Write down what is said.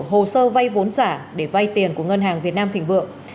hồ sơ vay vốn giả để vay tiền của ngân hàng việt nam thịnh vượng